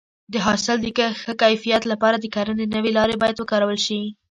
د حاصل د ښه کیفیت لپاره د کرنې نوې لارې باید وکارول شي.